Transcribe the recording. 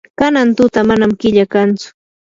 kanan tuta manam killa kantsu.